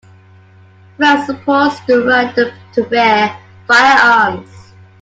Franks supports the right to bear firearms.